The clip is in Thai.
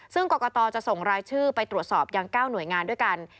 ซึ่งกรกตจะส่งรายชื่อไปตรวจสอบยัง๙หน่วยงานด้วยกัน